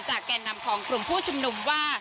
แก่นำของกลุ่มผู้ชุมนุมว่า